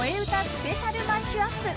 スペシャルマッシュアップ！